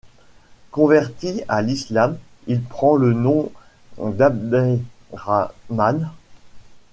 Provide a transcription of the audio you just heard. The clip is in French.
Converti à l'islam, il prend le nom d'Abderahmane.